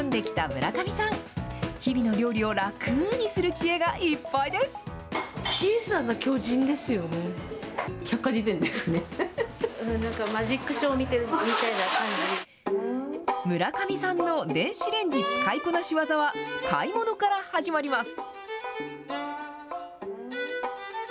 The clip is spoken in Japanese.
村上さんの電子レンジ使いこなし技は、買い物から始まります。